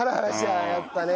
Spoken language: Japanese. やっぱね。